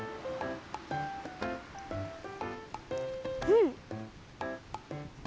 うん！